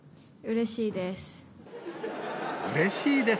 うれしいです。